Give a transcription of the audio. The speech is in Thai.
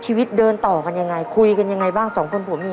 เดินต่อกันยังไงคุยกันยังไงบ้างสองคนผัวเมีย